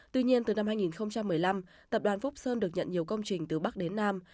tuy nhiên từ năm hai nghìn một mươi năm tập đoàn phúc sơn được nhận nhiều công trình từ bắc đến nam